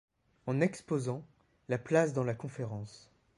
En exposant, la place dans la Conférence.